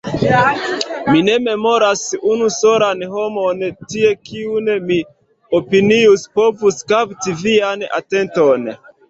Mi ne memoras unu solan homon tie, kiun mi opinius povus kapti vian atenton.